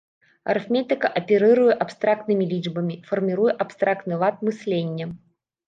Арыфметыка аперыруе абстрактнымі лічбамі, фарміруе абстрактны лад мыслення.